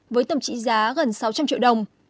với tổng trị giá gần sáu trăm linh triệu đồng